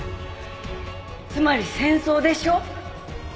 つまり戦争でしょ？